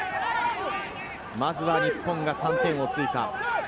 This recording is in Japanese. まずは日本が３点を追加。